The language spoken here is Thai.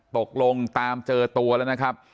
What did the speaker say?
ตกลงตามเจอตัวแล้วนะครับ